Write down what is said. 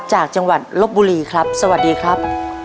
จากจังหวัดลบบุรีครับสวัสดีครับ